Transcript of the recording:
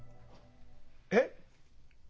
えっ？